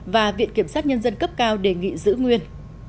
và viện kiểm sát nhân dân cấp cao đề nghị giữ nguyên